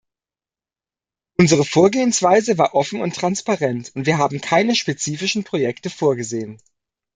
Unsere Vorgehensweise war offen und transparent, und wir haben keine spezifischen Projekte vorgesehen.